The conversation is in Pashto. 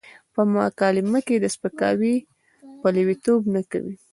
په مکالمه کې د سپکاوي پلويتوب نه کوي.